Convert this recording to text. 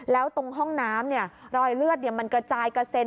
แล้วตรงห้องน้ำรอยเลือดมันกระจายกระเซ็น